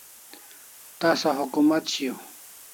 Tasa hukumat shiau